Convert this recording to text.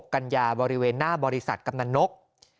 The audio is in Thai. กัญญาบริเวณหน้าบริษัทกำนันนก